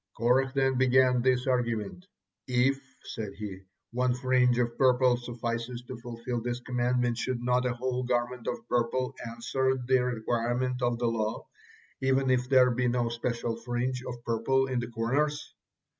Korah then began this argument. "If," said he, "one fringe of purple suffices to fulfil this commandment, should not a whole garment of purple answered the requirements of the law, even if there be no special fringe of purple in the corners?"